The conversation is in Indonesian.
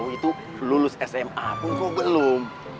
itu lulus sma pun kok belum